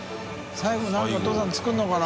埜何かお父さん作るのかな？